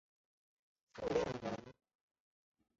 傅亮人。